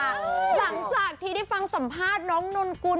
หลังจากที่ได้ฟังสัมภาษณ์น้องนนกุล